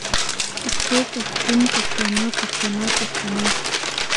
پښتو پښتون پښتانۀ پښتنه پښتنې